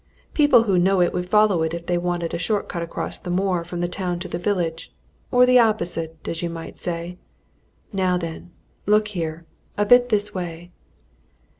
People who know it would follow it if they wanted a short cut across the moor from the town to the village or the opposite, as you might say. Now then, look here a bit this way."